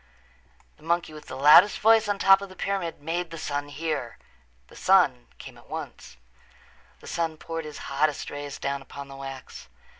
The monkey with the loudest voice on top of the pyramid made the sun hear. The sun came at once. The sun poured his hottest rays down upon the wax.